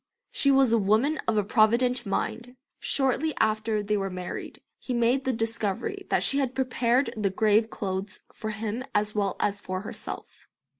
She was a woman of provident mind. Shortly after they were married he made the discovery that she had prepared the grave clothes for him as well as for herself.